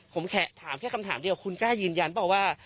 ผมจะถามคำถามเดียวคุณใกล้ยืนยันปะ